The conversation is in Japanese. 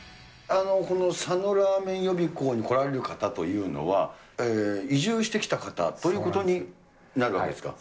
この佐野らーめん予備校に来られる方というのは、移住してきた方ということになるわけですか？